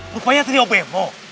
rupanya ternyata ubmo